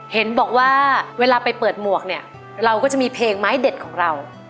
เห็นบอกว่าเวลาไปเปิดหมวกเนี่ยเราก็จะมีเพลงไม้เด็ดของเรา